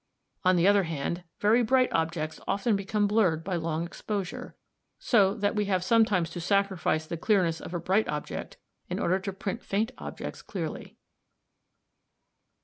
On the other hand, very bright objects often become blurred by a long exposure, so that we have sometimes to sacrifice the clearness of a bright object in order to print faint objects clearly.